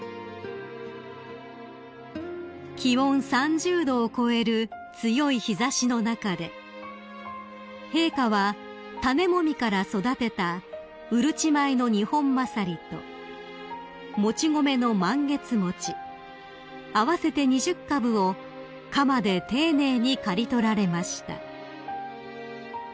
［気温３０℃を超える強い日差しの中で陛下は種もみから育てたうるち米のニホンマサリともち米のマンゲツモチ合わせて２０株を鎌で丁寧に刈り取られました］